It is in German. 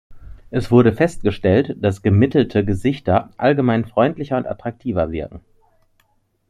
Es wurde festgestellt, dass gemittelte Gesichter allgemein freundlicher und attraktiver wirken.